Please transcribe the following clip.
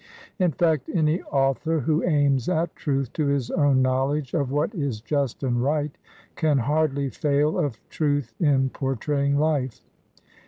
In fact, any author who aims at truth to his own knowledge of what is just and right, can hardly fail of truth in portraying life.